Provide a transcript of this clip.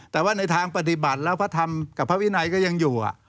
แต่ว่าในทางปฏิบัติแล้วพระธรรมกับพระวินัยก็ยังอยู่